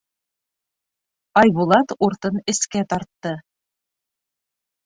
Айбулат уртын эскә тартты.